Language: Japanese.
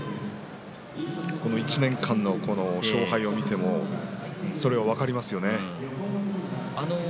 この１年間の勝敗を見てもそれが分かりますよね。